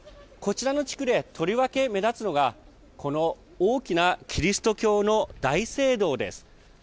こちらの地区でとりわけ目立つのがこの大きなキリスト教の大聖堂です。